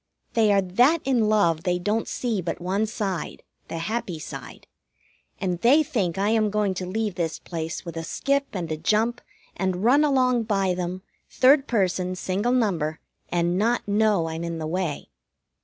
They are that in love they don't see but one side the happy side and they think I am going to leave this place with a skip and a jump and run along by them, third person, single number, and not know I'm in the way.